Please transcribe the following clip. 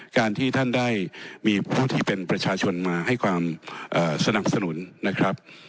การที่ท่านได้มีผู้ที่เป็นประชาชนมาให้ความสนับสนุนนะครับ